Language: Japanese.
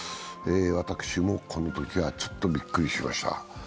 私もこのときはちょっとびっくりしました。